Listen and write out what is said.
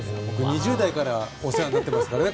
２０代からお世話になってますからね